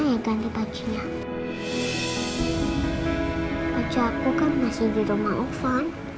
kita kan lagi jalan jalan berdua